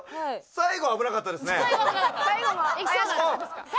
最後の怪しかったですか。